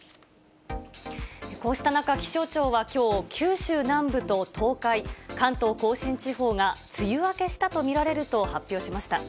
こうした中、気象庁はきょう、九州南部と東海、関東甲信地方が梅雨明けしたと見られると発表しました。